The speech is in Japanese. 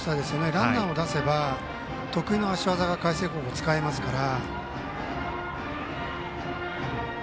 ランナーを出せば得意の足技が使えますから。